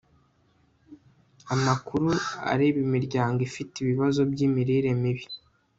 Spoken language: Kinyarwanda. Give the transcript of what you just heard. amakuru areba imiryango ifite ibibazo by'imirire mibi